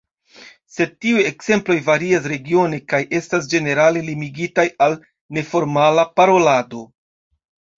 Sed tiuj ekzemploj varias regione kaj estas ĝenerale limigitaj al neformala parolado.